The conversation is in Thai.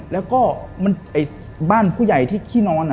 แล้วก็บ้านผู้ใหญ่ที่ขี้นอน